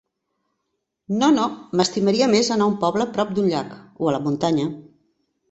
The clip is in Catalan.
No, no, m'estimaria més anar a un poble prop d'un llac, o a la muntanya.